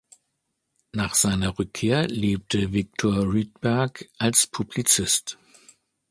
Nach seiner Rückkehr lebte Viktor Rydberg als Publizist.